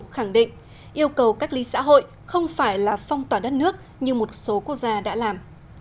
khẳng định yêu cầu cách ly xã hội không phải là phong tỏa đất nước như một số quốc gia đã làm